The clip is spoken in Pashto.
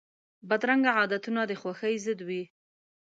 بدرنګه عادتونه د خوښۍ ضد وي